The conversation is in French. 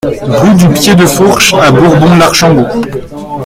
Rue du Pied de Fourche à Bourbon-l'Archambault